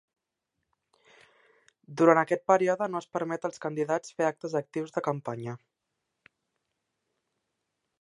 Durant aquest període no es permet als candidats fer actes actius de campanya.